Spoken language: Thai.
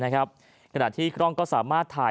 ขณะที่ก็สามารถถ่าย